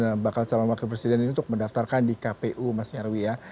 dan bakal calon wakil presiden ini untuk mendaftarkan di kpu mas yalawi ya